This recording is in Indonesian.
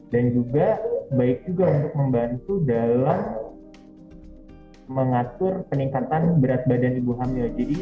dan juga baik juga untuk membantu dalam mengatur peningkatan berat badan ibu hamil